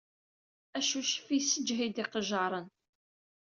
Acuccef yessejhid iqejjaṛen.